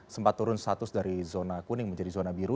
sempat turun status dari zona kuning menjadi zona biru